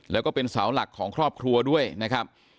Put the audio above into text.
แล้วก็เป็นเสาหลักของครอบครัวด้วยนะครับ